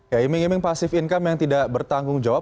ya eming eming pasif income yang tidak bertanggung jawab